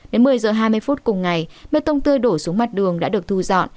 đến một mươi giờ hai mươi phút cùng ngày bê tông tươi đổ xuống mặt đường đã được thu dọn